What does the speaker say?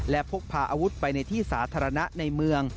และพกพาอาวุธไปในที่สาธารณะในเมือง